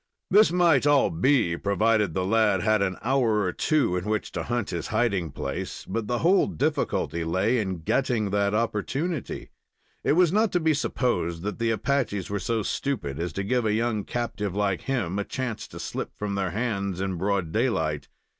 This might all be, provided the lad had an hour or two in which to hunt his hiding place, but the whole difficulty lay in getting that opportunity. It was not to be supposed that the Apaches were so stupid as to give a young captive like him a chance to slip from their hands in broad daylight.